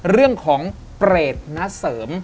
เรื่องของเปรตณเสริม